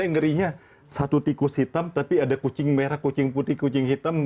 yang ngerinya satu tikus hitam tapi ada kucing merah kucing putih kucing hitam